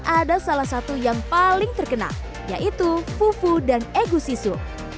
ada salah satu yang paling terkenal yaitu fufu dan egusisu